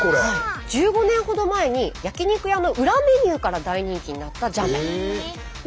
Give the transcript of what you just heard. １５年ほど前に焼き肉屋の裏メニューから大人気になったジャン麺。